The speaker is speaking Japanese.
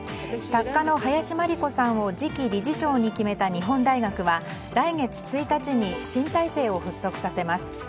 作家の林真理子さんを次期理事長に決めた日本大学は来月１日に新体制を発足させます。